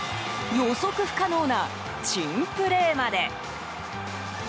予測不可能な珍プレーまで。